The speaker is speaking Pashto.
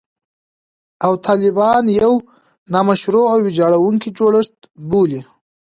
او طالبان یو «نامشروع او ویجاړوونکی جوړښت» بولي